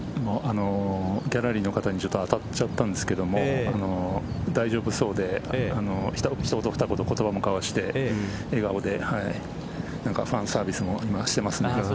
ギャラリーの方に当たっちゃったんですけど大丈夫そうで一言二言、言葉も交わして笑顔でファンサービスもしてますね。